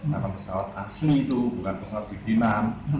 karena pesawat asli itu bukan pesawat bidinan